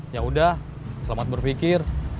yaudah selamat berpikir